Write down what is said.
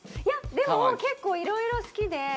いやでも結構いろいろ好きで。